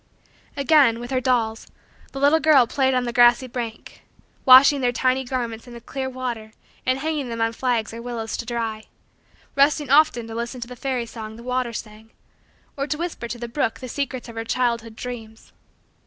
Again, with her dolls, the little girl played on the grassy bank; washing their tiny garments in the clear water and hanging them on the flags or willows to dry; resting often to listen to the fairy song the water sang; or to whisper to the brook the secrets of her childhood dreams.